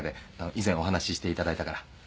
以前お話していただいたから。